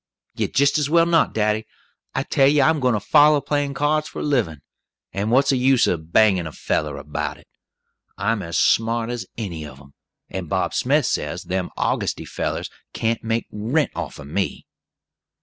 "You'd jist as well not, daddy; I tell you I'm gwine to follow playin' cards for a livin', and what's the use o' bangin' a feller about it? I'm as smart as any of 'em, and Bob Smith says them Augusty fellers can't make rent off o' me."